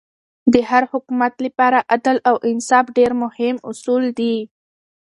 د هر حکومت له پاره عدل او انصاف ډېر مهم اصول دي.